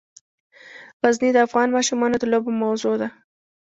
غزني د افغان ماشومانو د لوبو موضوع ده.